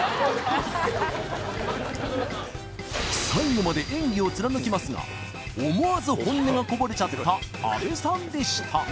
最後まで演技を貫きますが思わず本音がこぼれちゃった阿部さんでした